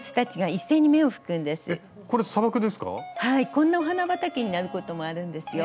こんなお花畑になることもあるんですよ。